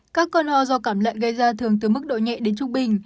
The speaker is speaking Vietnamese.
các cơn ho do cảm lợn gây ra thường từ mức độ nhẹ đến trung bình